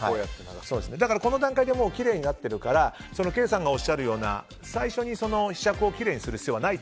だから、この段階できれいになっているからケイさんがおっしゃるような最初にひしゃくをきれいにする必要はないと。